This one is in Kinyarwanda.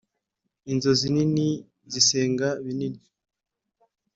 inzozi nini zi senga binini.